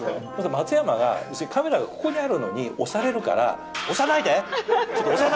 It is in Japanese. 松山がカメラがここにあるのに、押されるから、押さないでって。